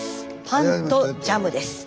パンとジャムです。